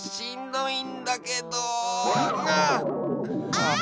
あ！